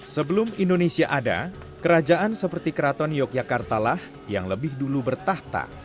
sebelum indonesia ada kerajaan seperti keraton yogyakarta lah yang lebih dulu bertahta